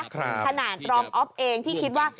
ขนาดรองอ๊อฟเองที่คิดว่า